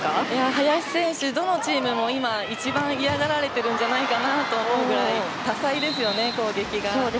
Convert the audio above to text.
林選手、どのチームも一番今嫌がられているんじゃないかなと思うぐらい多彩ですよね、攻撃が。